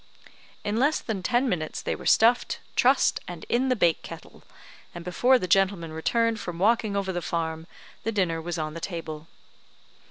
In less than ten minutes they were stuffed, trussed, and in the bake kettle; and before the gentlemen returned from walking over the farm, the dinner was on the table.